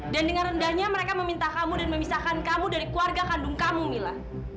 dan dengan rendahnya mereka meminta kamu dan memisahkan kamu dari keluarga kandung kamu mila